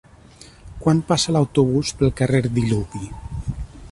Quan passa l'autobús pel carrer Diluvi?